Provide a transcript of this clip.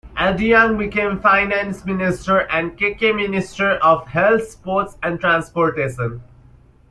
Adeang became finance minister and Keke minister of health, sports, and transportation.